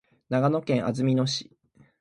長野県安曇野市